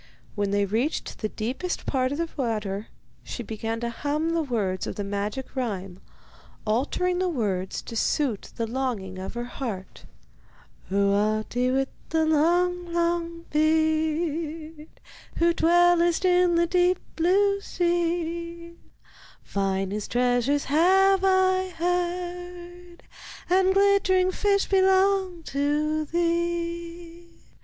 When they reached the deepest part of the water, she began to hum the words of the magic rhyme, altering the words to suit the longing of her heart: Oh, Ahti, with the long, long beard, Who dwellest in the deep blue sea, Finest treasures have I heard, And glittering fish belong to thee.